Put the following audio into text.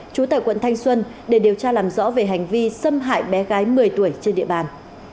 chú tây huyện tp hcm để điều tra làm rõ về hành vi xâm hại bé gái một mươi tuổi trên địa bàn